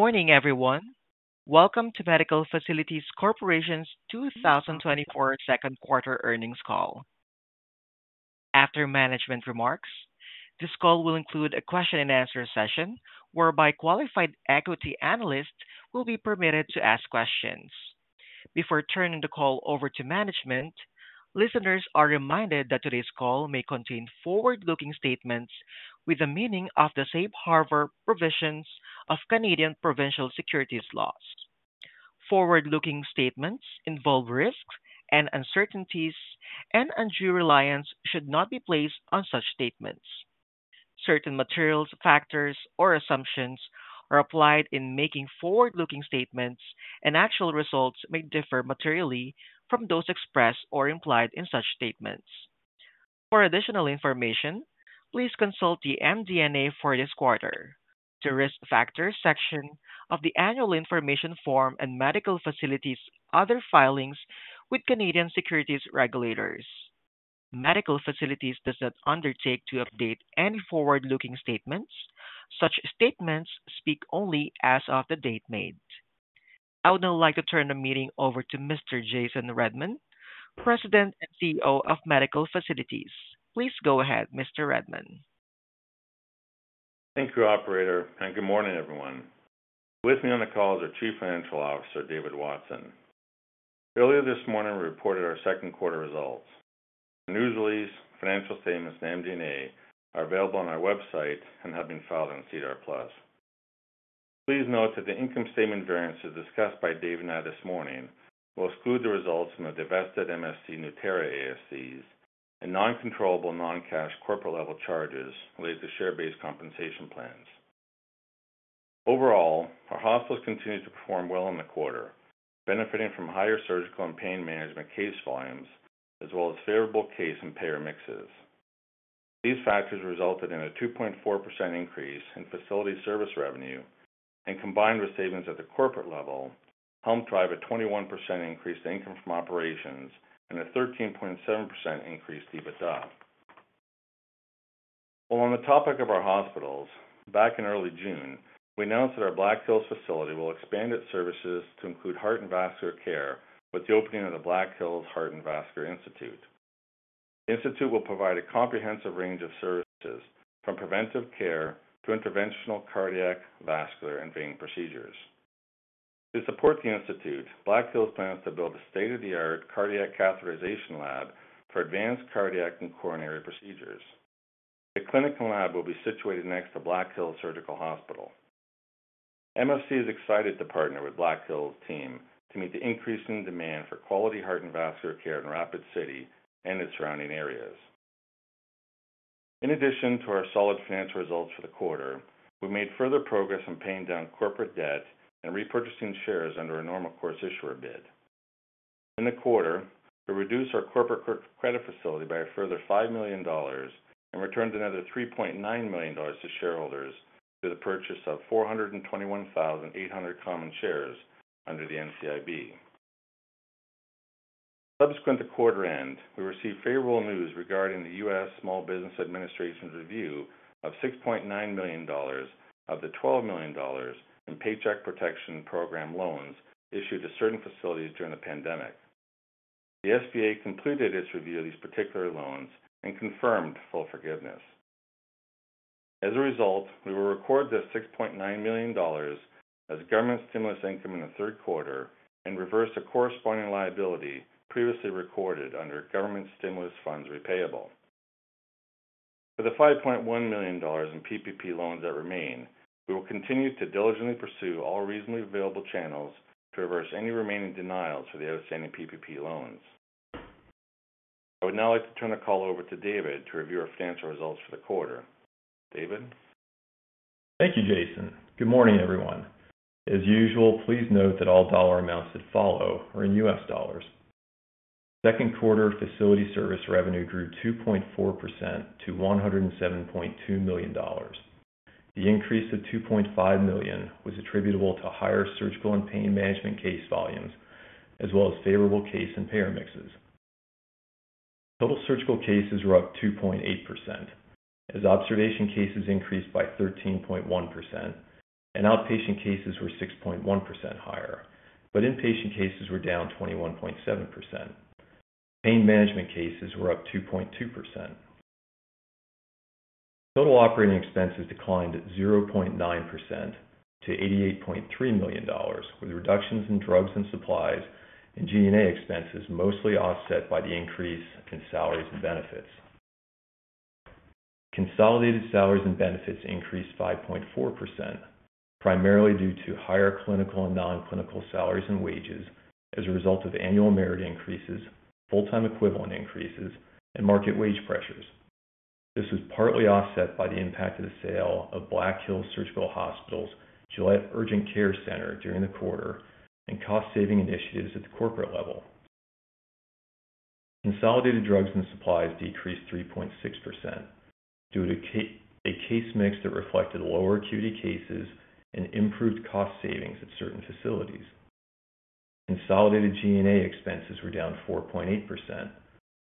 Good morning, everyone. Welcome to Medical Facilities Corporation's 2024 second quarter earnings call. After management remarks, this call will include a question and answer session, whereby qualified equity analysts will be permitted to ask questions. Before turning the call over to management, listeners are reminded that today's call may contain forward-looking statements with the meaning of the safe harbor provisions of Canadian provincial securities laws. Forward-looking statements involve risks and uncertainties, and undue reliance should not be placed on such statements. Certain materials, factors, or assumptions are applied in making forward-looking statements, and actual results may differ materially from those expressed or implied in such statements. For additional information, please consult the MD&A for this quarter, the Risk Factors section of the Annual Information form, and Medical Facilities' other filings with Canadian securities regulators. Medical Facilities does not undertake to update any forward-looking statements. Such statements speak only as of the date made. I would now like to turn the meeting over to Mr. Jason Redman, President and CEO of Medical Facilities. Please go ahead, Mr. Redman. Thank you, operator, and good morning, everyone. With me on the call is our Chief Financial Officer, David Watson. Earlier this morning, we reported our second quarter results. The news release, financial statements, and MD&A are available on our website and have been filed in SEDAR+. Please note that the income statement variances discussed by David and I this morning will exclude the results from the divested MFC Nueterra ASCs and non-controllable non-cash corporate-level charges related to share-based compensation plans. Overall, our hospitals continued to perform well in the quarter, benefiting from higher surgical and pain management case volumes, as well as favorable case and payer mixes. These factors resulted in a 2.4% increase in facility service revenue, and combined with savings at the corporate level, helped drive a 21% increase in income from operations and a 13.7% increase in EBITDA. Well, on the topic of our hospitals, back in early June, we announced that our Black Hills facility will expand its services to include heart and vascular care with the opening of the Black Hills Heart and Vascular Institute. The institute will provide a comprehensive range of services, from preventive care to interventional cardiac, vascular, and vein procedures. To support the institute, Black Hills plans to build a state-of-the-art cardiac catheterization lab for advanced cardiac and coronary procedures. The clinic and lab will be situated next to Black Hills Surgical Hospital. MFC is excited to partner with Black Hills team to meet the increasing demand for quality heart and vascular care in Rapid City and its surrounding areas. In addition to our solid financial results for the quarter, we made further progress in paying down corporate debt and repurchasing shares under a Normal Course Issuer Bid. In the quarter, we reduced our corporate credit facility by a further $5 million and returned another $3.9 million to shareholders through the purchase of 421,800 common shares under the NCIB. Subsequent to quarter end, we received favorable news regarding the U.S. Small Business Administration's review of $6.9 million of the $12 million in Paycheck Protection Program loans issued to certain facilities during the pandemic. The SBA completed its review of these particular loans and confirmed full forgiveness. As a result, we will record this $6.9 million as government stimulus income in the third quarter and reverse the corresponding liability previously recorded under government stimulus funds repayable. For the $5.1 million in PPP loans that remain, we will continue to diligently pursue all reasonably available channels to reverse any remaining denials for the outstanding PPP loans. I would now like to turn the call over to David to review our financial results for the quarter. David? Thank you, Jason. Good morning, everyone. As usual, please note that all dollar amounts that follow are in US dollars. Second quarter facility service revenue grew 2.4% to $107.2 million. The increase of $2.5 million was attributable to higher surgical and pain management case volumes, as well as favorable case and payer mixes. Total surgical cases were up 2.8%, as observation cases increased by 13.1% and outpatient cases were 6.1% higher, but inpatient cases were down 21.7%. Pain management cases were up 2.2%. Total operating expenses declined 0.9% to $88.3 million, with reductions in drugs and supplies and G&A expenses, mostly offset by the increase in salaries and benefits. Consolidated salaries and benefits increased 5.4%, primarily due to higher clinical and non-clinical salaries and wages as a result of annual merit increases, full-time equivalent increases, and market wage pressures. This was partly offset by the impact of the sale of Black Hills Surgical Hospital's Gillette Urgent Care Center during the quarter and cost-saving initiatives at the corporate level. Consolidated drugs and supplies decreased 3.6% due to a case mix that reflected lower acuity cases and improved cost savings at certain facilities. Consolidated G&A expenses were down 4.8%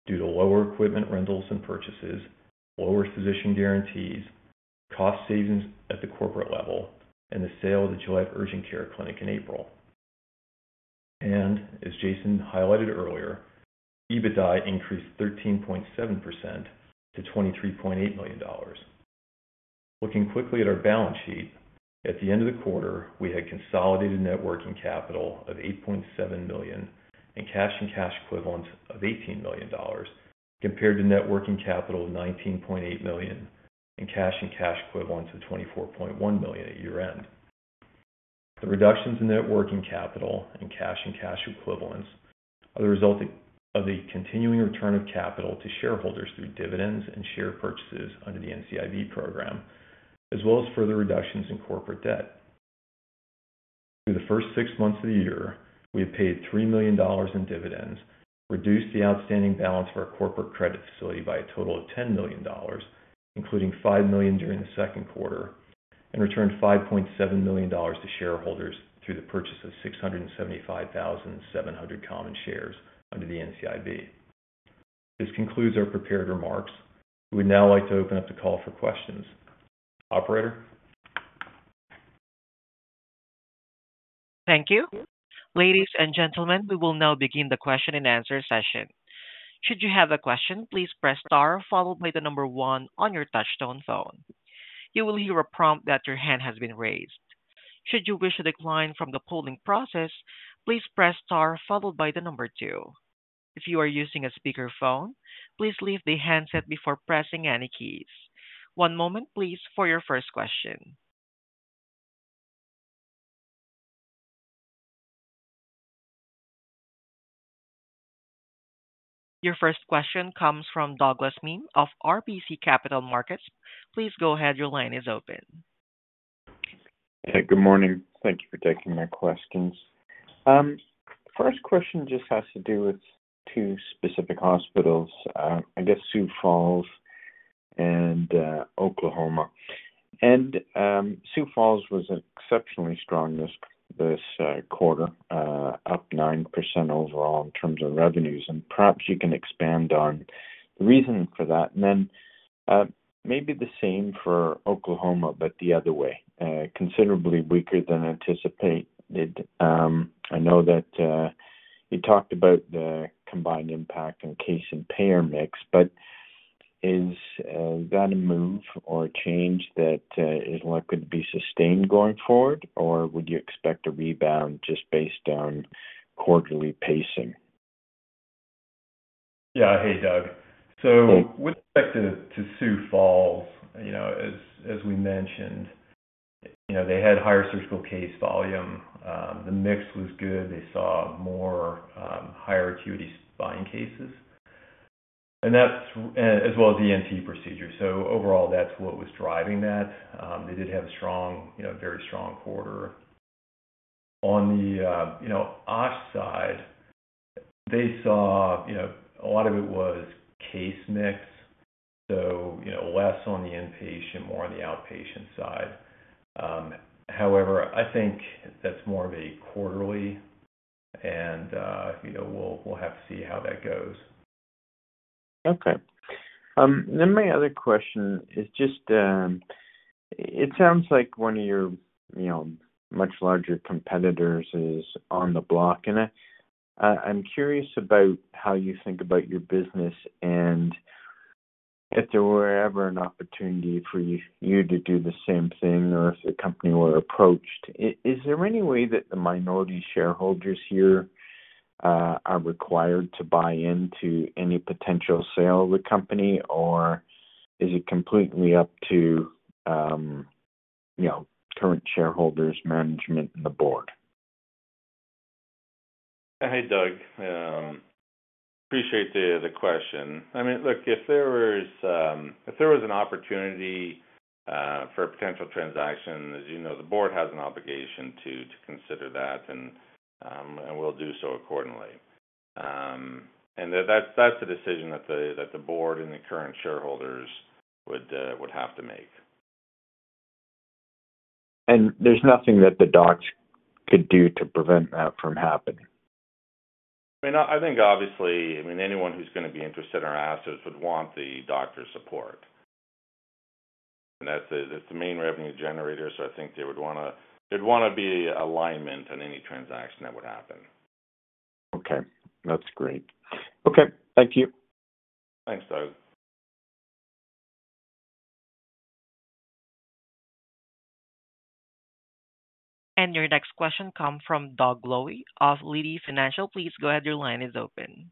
due to lower equipment rentals and purchases, lower physician guarantees, cost savings at the corporate level, and the sale of the Gillette Urgent Care Center in April. As Jason highlighted earlier, EBITDA increased 13.7% to $23.8 million. Looking quickly at our balance sheet, at the end of the quarter, we had consolidated net working capital of $8.7 million and cash and cash equivalents of $18 million, compared to net working capital of $19.8 million, and cash and cash equivalents of $24.1 million at year-end. The reductions in net working capital and cash and cash equivalents are the result of the continuing return of capital to shareholders through dividends and share purchases under the NCIB program, as well as further reductions in corporate debt. Through the first six months of the year, we have paid $3 million in dividends, reduced the outstanding balance of our corporate credit facility by a total of $10 million, including $5 million during the second quarter, and returned $5.7 million to shareholders through the purchase of 675,700 common shares under the NCIB. This concludes our prepared remarks. We'd now like to open up the call for questions. Operator? Thank you. Ladies and gentlemen, we will now begin the question and answer session. Should you have a question, please press star followed by the number one on your touch-tone phone. You will hear a prompt that your hand has been raised. Should you wish to decline from the polling process, please press star followed by the number two. If you are using a speakerphone, please leave the handset before pressing any keys. One moment, please, for your first question. Your first question comes from Douglas Miehm of RBC Capital Markets. Please go ahead. Your line is open. Hey, good morning. Thank you for taking my questions. First question just has to do with two specific hospitals, I guess Sioux Falls and Oklahoma. Sioux Falls was exceptionally strong this quarter, up 9% overall in terms of revenues. Perhaps you can expand on the reason for that. Then, maybe the same for Oklahoma, but the other way, considerably weaker than anticipated. I know that you talked about the combined impact on case and payer mix, but is that a move or a change that is what could be sustained going forward? Or would you expect a rebound just based on quarterly pacing? Yeah. Hey, Doug. So with respect to Sioux Falls, you know, as we mentioned, you know, they had higher surgical case volume. The mix was good. They saw more higher acuity spine cases, and that's as well as ENT procedures. So overall, that's what was driving that. They did have a strong, you know, very strong quarter. On the, you know, upside, they saw, you know, a lot of it was case mix, so, you know, less on the inpatient, more on the outpatient side. However, I think that's more of a quarterly and, you know, we'll have to see how that goes. Okay. Then my other question is just, it sounds like one of your, you know, much larger competitors is on the block. And I, I'm curious about how you think about your business and if there were ever an opportunity for you, you to do the same thing or if the company were approached. Is there any way that the minority shareholders here are required to buy into any potential sale of the company? Or is it completely up to, you know, current shareholders, management, and the board? Hey, Doug. Appreciate the question. I mean, look, if there was, if there was an opportunity for a potential transaction, as you know, the board has an obligation to consider that, and we'll do so accordingly. And that's the decision that the board and the current shareholders would have to make. There's nothing that the docs could do to prevent that from happening? I mean, I think obviously, I mean, anyone who's going to be interested in our assets would want the doctors' support. That's the main revenue generator, so I think they'd want to be in alignment in any transaction that would happen. Okay, that's great. Okay, thank you. Thanks, Doug. Your next question come from Doug Loe of Leede Financial. Please go ahead. Your line is open.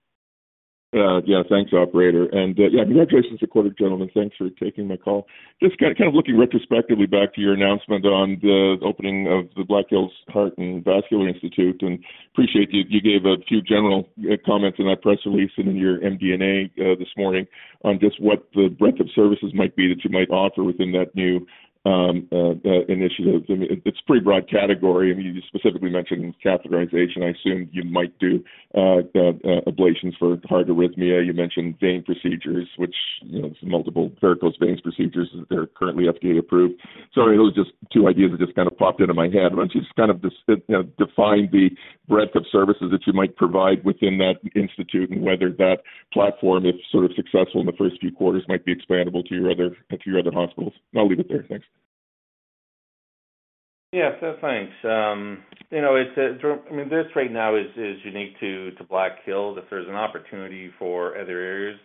Yeah, thanks, operator. Yeah, congratulations on the quarter, gentlemen. Thanks for taking my call. Just kind of looking retrospectively back to your announcement on the opening of the Black Hills Heart and Vascular Institute, and appreciate you gave a few general comments in that press release and in your MD&A this morning on just what the breadth of services might be that you might offer within that new initiative. I mean, it's a pretty broad category. I mean, you specifically mentioned catheterization. I assume you might do ablations for heart arrhythmia. You mentioned vein procedures, which, you know, some multiple varicose veins procedures that are currently FDA approved. So those are just two ideas that just kind of popped into my head. Once you just kind of, you know, define the breadth of services that you might provide within that institute and whether that platform, if sort of successful in the first few quarters, might be expandable to a few other hospitals. I'll leave it there. Thanks. ... Yes, so thanks. You know, it's, I mean, this right now is unique to Black Hills. If there's an opportunity for other areas,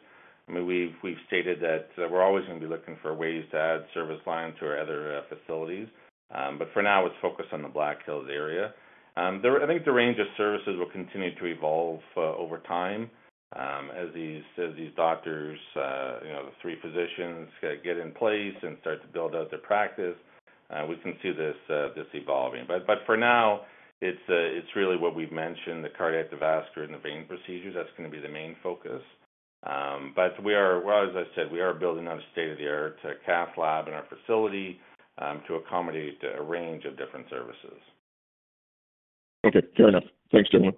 I mean, we've stated that we're always going to be looking for ways to add service lines to our other facilities. But for now, it's focused on the Black Hills area. I think the range of services will continue to evolve over time, as these doctors, you know, the three physicians get in place and start to build out their practice, we can see this evolving. But for now, it's really what we've mentioned, the cardiac, the vascular, and the vein procedures. That's going to be the main focus. But we are, well, as I said, we are building out a state-of-the-art cath lab in our facility, to accommodate a range of different services. Okay, fair enough. Thanks, gentlemen.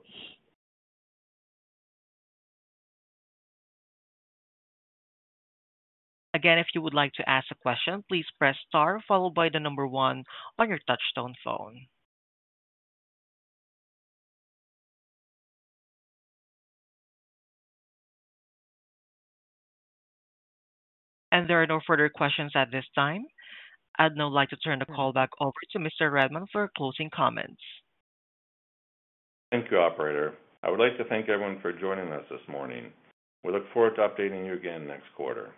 Again, if you would like to ask a question, please press star followed by the number one on your touchtone phone. There are no further questions at this time. I'd now like to turn the call back over to Mr. Redman for closing comments. Thank you, operator. I would like to thank everyone for joining us this morning. We look forward to updating you again next quarter.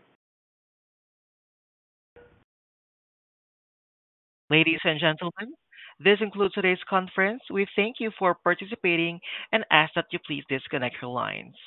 Ladies and gentlemen, this concludes today's conference. We thank you for participating and ask that you please disconnect your lines.